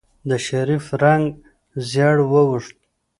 د شريف رنګ زېړ واوښت.